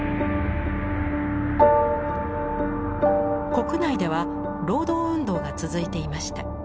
国内では労働運動が続いていました。